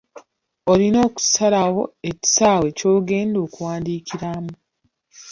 Olina okusalawo ekisaawe ky’ogenda okuwandiikiramu.